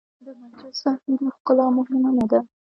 د مسجد ظاهري ښکلا مهمه نه ده.